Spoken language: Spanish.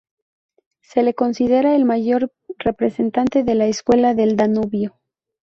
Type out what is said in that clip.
Se le considera el mayor representante de la Escuela del Danubio.